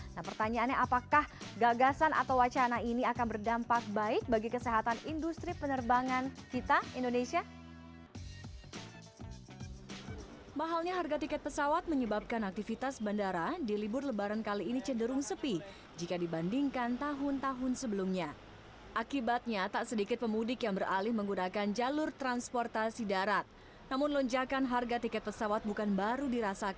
nah pertanyaannya apakah gagasan atau wacana ini akan berdampak baik bagi kesehatan industri penerbangan kita indonesia